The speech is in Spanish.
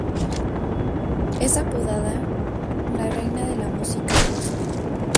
Es apodada "La Reina de la música Gospel".